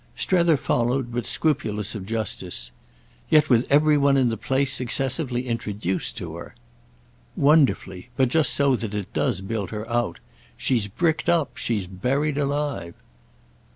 Strether followed, but scrupulous of justice. "Yet with every one in the place successively introduced to her." "Wonderfully—but just so that it does build her out. She's bricked up, she's buried alive!"